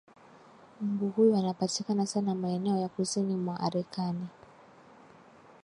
mbu huyo anapatikana sana maeneo ya kusini mwa arekani